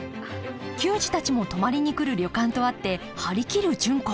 球児たちも泊まりに来る旅館とあって張り切る純子。